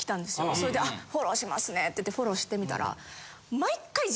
それでフォローしますねって言ってフォローしてみたら。